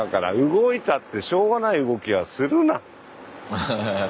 アハハハ。